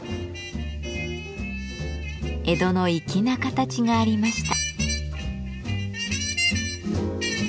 江戸の粋な形がありました。